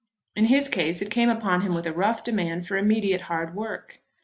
In his case it came upon him with a rough demand for immediate hard work.